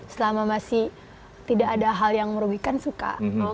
selama masih tidak ada hal yang merugikan suka